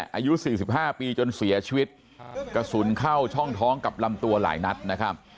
อายุ๔๕ปีจนเสียชีวิตกระสุนเข้าช่องท้องกับลำตัวหลายนัดนะครับ